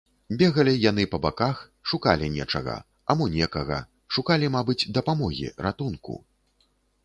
Бегалі яны па баках, шукалі нечага, а мо некага, шукалі, мабыць, дапамогі, ратунку.